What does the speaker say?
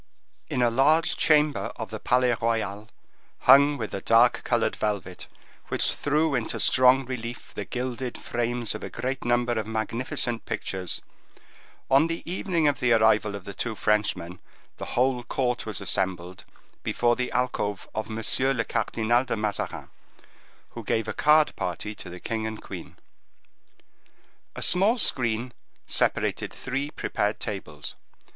In a large chamber of the Palais Royal, hung with a dark colored velvet, which threw into strong relief the gilded frames of a great number of magnificent pictures, on the evening of the arrival of the two Frenchmen, the whole court was assembled before the alcove of M. le Cardinal de Mazarin, who gave a card party to the king and queen. A small screen separated three prepared tables.